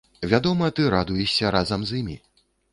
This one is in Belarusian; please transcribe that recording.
Вядома, ты радуешся разам з імі.